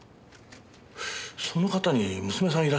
その方に娘さんいらっしゃいませんか？